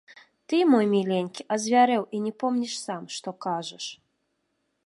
Ты, мой міленькі, азвярэў і не помніш сам, што кажаш.